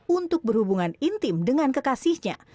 untuk berhubungan intim dengan kekasihnya